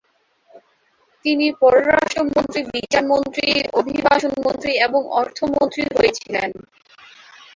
তিনি পররাষ্ট্রমন্ত্রী, বিচার মন্ত্রী, অভিবাসন মন্ত্রী এবং অর্থমন্ত্রী হয়েছিলেন।